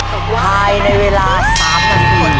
ภายในเวลา๓นาที